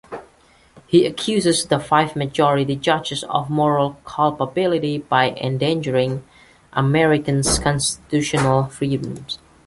He accuses the five majority judges of moral culpability by endangering Americans' constitutional freedoms.